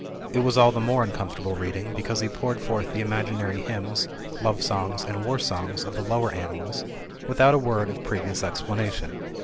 It was all the more uncomfortable reading because he poured forth the imaginary h3rmns, love songs and war songs of the lower animals, without a word of previous expla nation.